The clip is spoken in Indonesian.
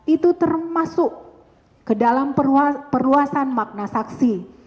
itu termasuk ke dalam perluasan makna saksi